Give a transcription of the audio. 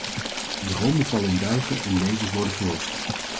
Dromen vallen in duigen en levens worden verwoest.